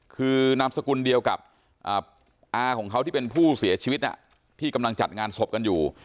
คือนามสกุลเดียวกับอาของเขาที่เป็นผู้เสียชีวิตที่กำลังจัดงานศพกันอยู่